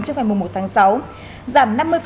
trong ngày một tháng sáu giảm năm mươi